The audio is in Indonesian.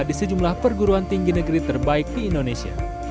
di sejumlah perguruan tinggi negeri terbaik di indonesia